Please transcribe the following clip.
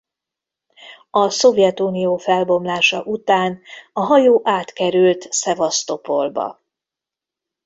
A Szovjetunió felbomlása után a hajó átkerült Szevasztopolba.